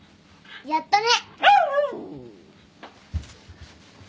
やったね。